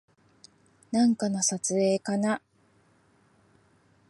なんかの撮影かな